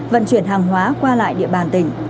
vận chuyển hàng hóa qua lại địa bàn tỉnh